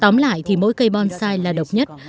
tóm lại thì mỗi cây bonsai là độc nhất